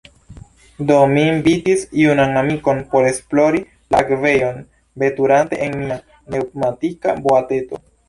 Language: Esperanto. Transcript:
Do, mi invitis junan amikon por esplori la akvejon, veturante en mia pneŭmatika boateto.